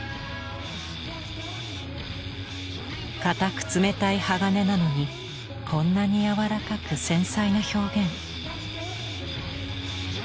硬く冷たい鋼なのにこんなに柔らかく繊細な表現。